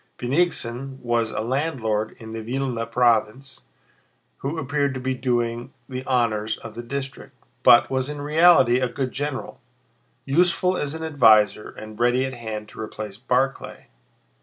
Bennigsen was a landlord in the Vílna province who appeared to be doing the honors of the district, but was in reality a good general, useful as an adviser and ready at hand to replace Barclay.